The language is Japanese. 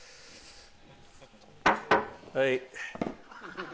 はい。